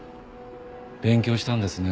勉強したんですね。